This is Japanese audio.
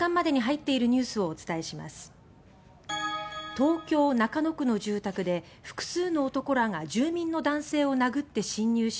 東京・中野区の住宅で複数の男らが住民の男性を殴って侵入し